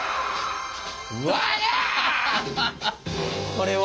これは？